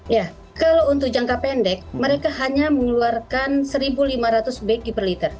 ya kalau untuk jangka pendek mereka hanya mengeluarkan satu lima ratus baki per liter